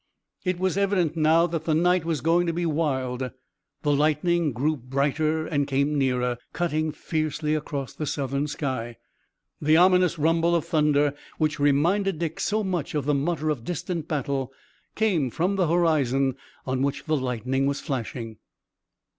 It was evident now that the night was going to be wild. The lightning grew brighter and came nearer, cutting fiercely across the southern sky. The ominous rumble of thunder, which reminded Dick so much of the mutter of distant battle, came from the horizon on which the lightning was flashing.